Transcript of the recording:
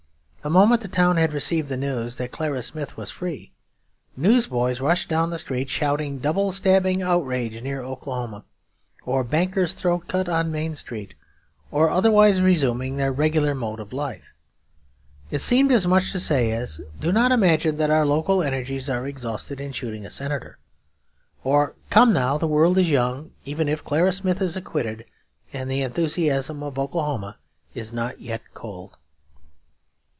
The moment the town had received the news that Clara Smith was free, newsboys rushed down the street shouting, 'Double stabbing outrage near Oklahoma,' or 'Banker's throat cut on Main Street,' or otherwise resuming their regular mode of life. It seemed as much as to say, 'Do not imagine that our local energies are exhausted in shooting a Senator,' or 'Come, now, the world is young, even if Clara Smith is acquitted, and the enthusiasm of Oklahoma is not yet cold.'